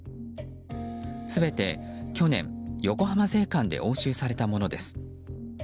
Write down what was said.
全て去年、横浜税関で押収されたものです。